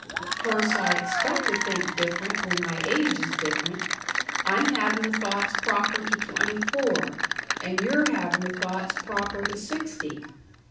"Course I expect to think different when my age is different. I'm havin' the thoughts proper to twenty four, and you're havin' the thoughts proper to sixty."